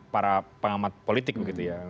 para pengamat politik begitu ya